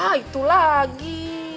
ah itu lagi